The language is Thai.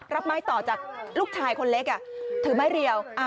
รับไม้ต่อจากลูกชายคนเล็กถือไม้เรียว